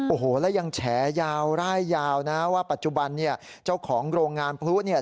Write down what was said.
โอ้โหแล้วยังแฉยาวร่ายยาวนะว่าปัจจุบันเนี่ยเจ้าของโรงงานพลุเนี่ย